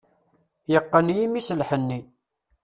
Yeqqen yimi-s lḥenni.